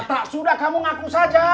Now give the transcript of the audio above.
tak sudah kamu ngaku saja